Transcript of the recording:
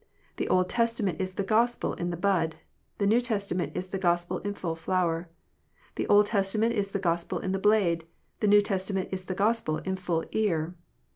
The Old Testament is the Gospel in the bud : the New Testa ment is the Gospel in full flower. The Old Testament is the Gospel in the blade : the New Testament is the Gospel in full ear.